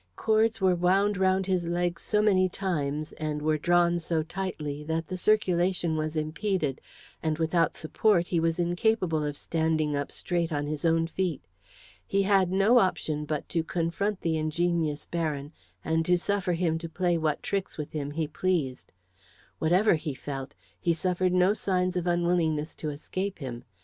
Cords were wound round his legs so many times, and were drawn so tightly, that the circulation was impeded, and without support he was incapable of standing up straight on his own feet. He had no option but to confront the ingenious Baron, and to suffer him to play what tricks with him he pleased. Whatever he felt he suffered no signs of unwillingness to escape him.